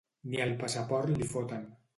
Ni el passaport li foten.